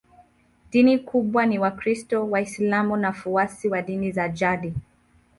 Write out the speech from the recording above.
Dini kubwa ni Wakristo, Waislamu na wafuasi wa dini za jadi.